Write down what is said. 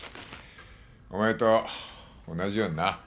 お前と同じようにな。